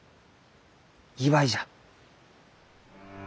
祝いじゃ。